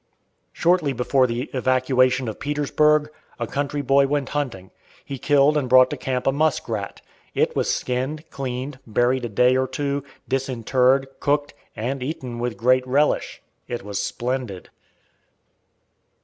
Shortly before the evacuation of Petersburg, a country boy went hunting. He killed and brought to camp a muskrat. It was skinned, cleaned, buried a day or two, disinterred, cooked, and eaten with great relish. It was splendid.